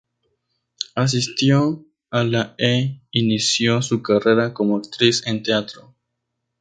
Asistió a la e inició su carrera como actriz en teatro.